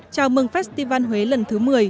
chào mừng festival huế lần thứ một mươi